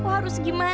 ayo duduk kita makan